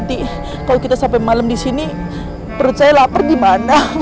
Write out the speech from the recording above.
kalau kita sampai malam disini perut saya lapar dimana